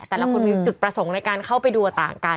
แต่ละคนมีจุดประสงค์ในการเข้าไปดูต่างกัน